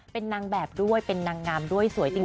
เป็นนางแบบด้วยเป็นนางงามด้วยสวยจริง